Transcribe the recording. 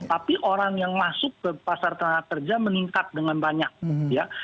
tapi orang yang masuk ke pasar tenaga kerja meningkat dengan banyak ya